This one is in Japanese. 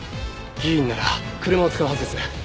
議員なら車を使うはずです。